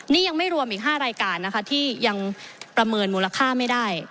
นี่ยังไม่รวมอีก๕รายการนะคะที่ยังประเมินมูลค่าไม่ได้